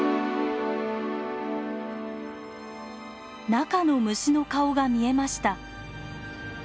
中の虫の顔が見えました。